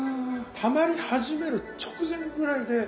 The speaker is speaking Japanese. たまり始める直前ぐらいで包んじゃう。